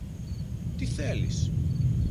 Τι θέλεις;